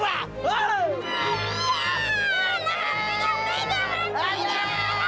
yah rahat tiga tiga merantik